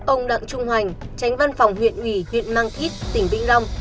ông đặng trung hoành tránh văn phòng huyện ủy huyện mang thít tỉnh vĩnh long